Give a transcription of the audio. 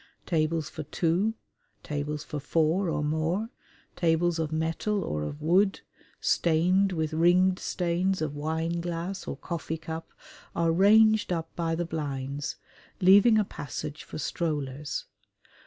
Tables for two, tables for four or more, tables of metal or of wood, stained with ringed stains of wineglass or coffee cup are ranged up by the blinds, leaving a passage for strollers.